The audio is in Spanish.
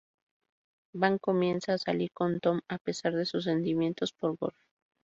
Bank comienza a salir con Thom a pesar de sus sentimientos por Golf.